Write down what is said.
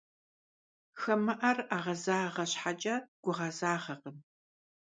Хамэӏэр ӏэгъэзагъэ щхьэкӏэ, гугъэзагъэкъым.